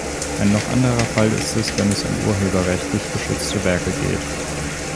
Ein noch anderer Fall ist es, wenn es um urheberrechtlich geschützte Werke geht.